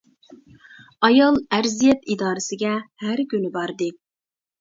ئايال ئەرزىيەت ئىدارىسىگە ھەر كۈنى باردى.